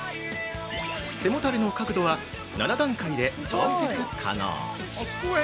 背もたれの角度は７段階で調節可能。